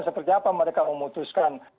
seperti apa mereka memutuskan